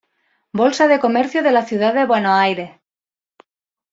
Bolsa de Comercio de la ciudad de Buenos Aires.